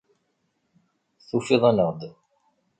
Tufiḍ-aneɣ-d.